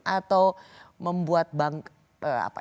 atau membuat bank apa